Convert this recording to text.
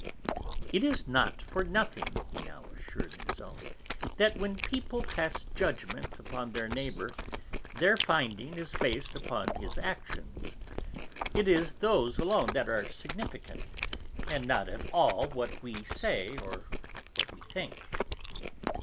"It is not for nothing," he now assured himself, "that when people pass judgment upon their neighbour, their finding is based upon his actions. It is those alone that are significant, and not at all what we say or what we think.